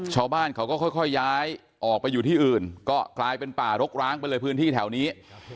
ชาวบ้านเขาก็ค่อยย้ายออกไปอยู่ที่อื่นก็กลายเป็นป่ารกร้างไปเลยพื้นที่แถวนี้